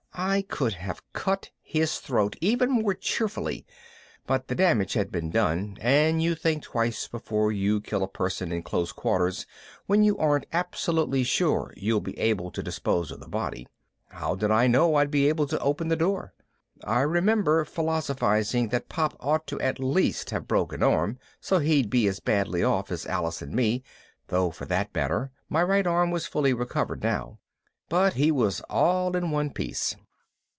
I could have cut his throat even more cheerfully, but the damage had been done and you think twice before you kill a person in close quarters when you aren't absolutely sure you'll be able to dispose of the body. How did I know I'd be able to open the door? I remember philosophizing that Pop ought at least to have broke an arm so he'd be as badly off as Alice and me (though for that matter my right arm was fully recovered now) but he was all in one piece.